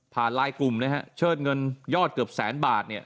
ผ่านลายกลุ่มเชิดเงินยอดเกือบแสนบาท